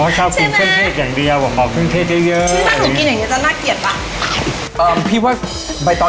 ใช่เคยมีคนโละหนักกินแบบนี้มั้ยพี่อ้อน